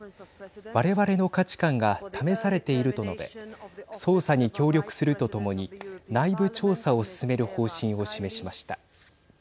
我々の価値観が試されていると述べ捜査に協力するとともに内部調査を進める方針を示しました。